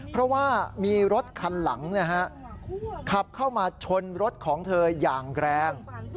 เพราะว่ามีรถคันหลังขับเข้ามาชนรถของเธออย่างแรง